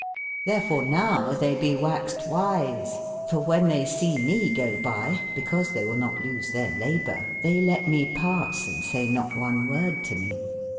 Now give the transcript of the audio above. X^berf ore now tbey be waxed wise, f or wben tbey see me go by, bicause tbey will not leese tbeyr la bour, tbey let me passe and saye not one wordetome.